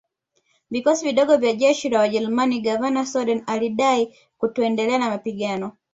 vikosi vidogo vya jeshi la wajerumani Gavana Soden alidai kutoendelea na mapigano